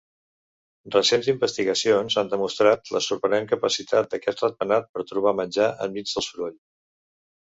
Recents investigacions han demostrat la sorprenent capacitat d'aquest ratpenat per trobar menjar enmig del soroll.